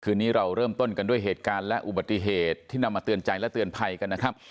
นี้เราเริ่มต้นกันด้วยเหตุการณ์และอุบัติเหตุที่นำมาเตือนใจและเตือนภัยกันนะครับ